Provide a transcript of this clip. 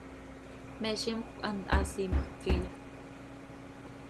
¿Me zímjöc hant haa siimjc queeya?